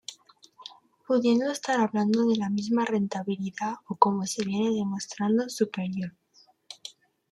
Pudiendo estar hablando de la misma rentabilidad o como se viene demostrando, superior.